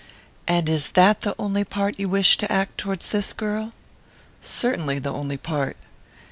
"And is that the only part you wish to act towards this girl?" "Certainly, the only part."